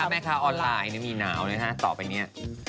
พ่อค้าแม่ค้าออนไลน์มีหนาวเลยฮะต่อไปนี้